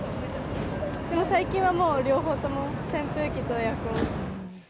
でも最近はもう、両方とも、扇風機とエアコン。